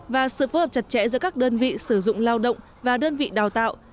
và sự phối hợp chặt chẽ giữa các đơn vị sử dụng lao động và đơn vị đào tạo